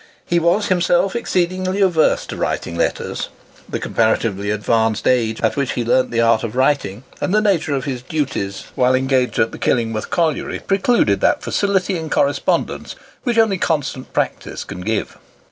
He was himself exceedingly averse to writing letters. The comparatively advanced age at which ho learnt the art of writing, and the nature of his duties while engaged at the Killingworth colliery, precluded that facility in correspondence which only constant practice can give.